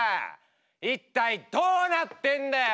一体どうなってんだよ